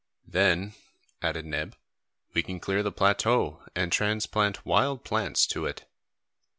"Then," added Neb, "we can clear the plateau, and transplant wild plants to it."